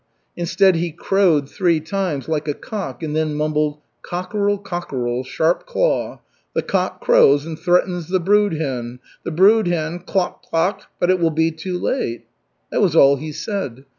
Instead he crowed three times like a cock and then mumbled: "Cockerel, cockerel, sharp claw! The cock crows and threatens the brood hen; the brood hen cluck! cluck! but it will be too late!" That was all he said.